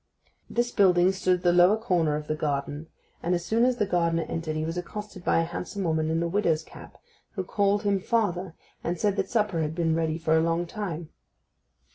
This building stood at the lower corner of the garden, and as soon as the gardener entered he was accosted by a handsome woman in a widow's cap, who called him father, and said that supper had been ready for a long time.